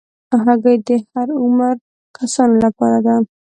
هګۍ د هر عمر کسانو لپاره ده.